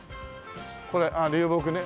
これあっ流木ね。